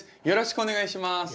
よろしくお願いします。